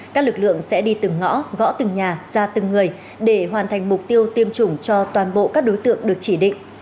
các lực lượng sẽ đi từng ngõ gõ từng nhà ra từng người để hoàn thành mục tiêu tiêm chủng cho toàn bộ các đối tượng được chỉ định